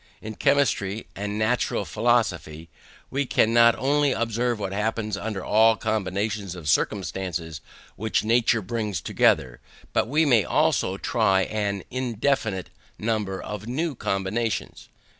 In chemistry and natural philosophy, we can not only observe what happens under all the combinations of circumstances which nature brings together, but we may also try an indefinite number of new combinations.